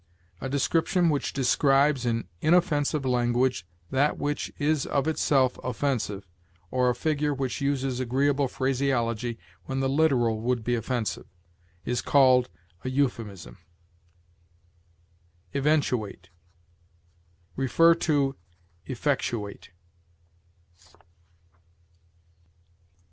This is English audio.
A description which describes in inoffensive language that which is of itself offensive, or a figure which uses agreeable phraseology when the literal would be offensive, is called a euphemism. EVENTUATE. See EFFECTUATE.